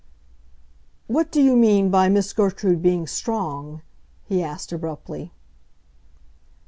"What do you mean by Miss Gertrude being strong?" he asked abruptly.